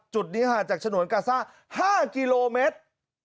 จุดนี้ห่างจากฉนวนกาซ่า๕กิโลเมตร